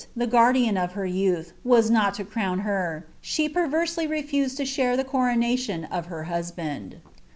the guardian of her foatli, ma not to crown her, she perversely refused to share the i aMJoti of her husband.